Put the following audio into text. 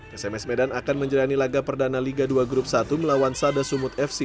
psms medan akan menjalani laga perdana liga dua grup satu melawan sada sumut fc